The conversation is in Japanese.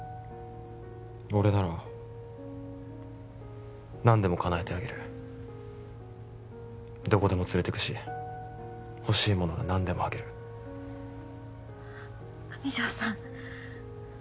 俺なら何でもかなえてあげるどこでも連れてくしほしいものは何でもあげる上条さん